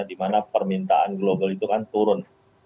di mana permintaan global itu kan turun lima puluh